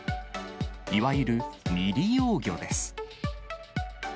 いわゆる未利用魚です。